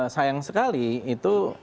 sayang sekali itu